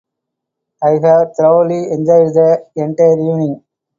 I have thoroughly enjoyed the entire evening.